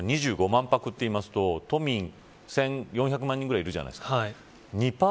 ２５万泊というと都民１４００万人ぐらいいるじゃないですか。